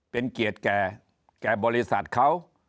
เป็นเกียรติแก่บริษัทเขา